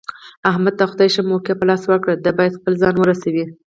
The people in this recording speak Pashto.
احمد ته خدای ښه موقع په لاس ورکړې ده، باید خپل ځان ورسوي.